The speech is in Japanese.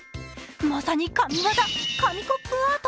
まさに神業、紙コップアート。